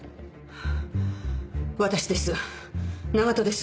私です